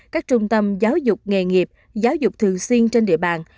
các trung tâm giáo dục nghề nghiệp giáo dục thường xuyên trên địa bàn